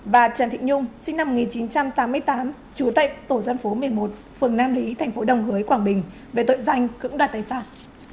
và trần thị nhung sinh năm một nghìn chín trăm tám mươi tám trú tại tổ dân phố một mươi một phường nam lý thành phố đồng hới quảng bình về tội danh cứng đoạt tài sản